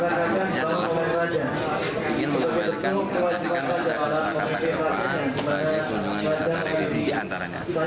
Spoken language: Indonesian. isi isinya adalah ingin menjadikan wisata al quran sebagai kunjungan wisata religi di antaranya